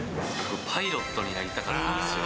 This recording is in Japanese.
パイロットになりたかったんですよ。